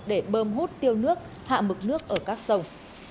để bơm hút tiêu nước hạ mực nước ở các sông